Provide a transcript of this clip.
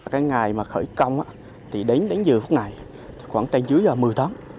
cái ngày mà khởi công thì đến giờ phút này khoảng trên dưới một mươi tấn